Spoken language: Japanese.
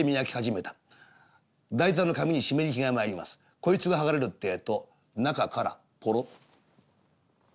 こいつが剥がれるってえと中からぽろっ。